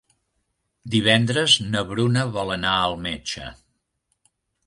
Divendres na Bruna vol anar al metge.